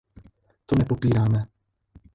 To nepopíráme.